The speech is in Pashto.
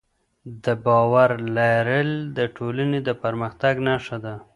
د باور لرل د ټولنې د پرمختګ نښه ده.